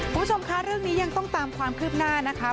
คุณผู้ชมคะเรื่องนี้ยังต้องตามความคืบหน้านะคะ